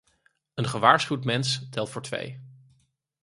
Een gewaarschuwd mens telt voor twee.